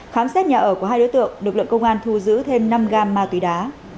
khám xét nhà ở của hai đối tượng lực lượng công an thu giữ thêm năm gam ma túy đá